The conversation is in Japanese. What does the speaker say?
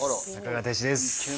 中川大志です。